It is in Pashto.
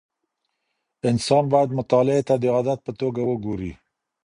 انسان باید مطالعې ته د عادت په توګه وګوري.